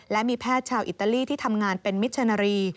และมีแพทย์ชาวอิตาลีที่ทำงานเป็นมิชนารี